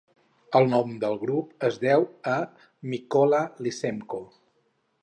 El nom del grup es deu a Mykola Lysenko.